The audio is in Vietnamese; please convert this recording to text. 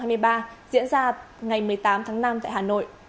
diễn ra ngày một mươi tám tháng năm tại hà nội